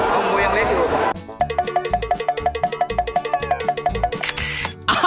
หมูยังเล็กอยู่